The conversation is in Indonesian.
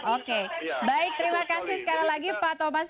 oke baik terima kasih sekali lagi pak thomas